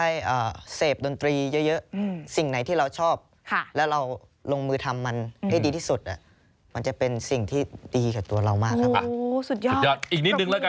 อีกนิดนึงละกัน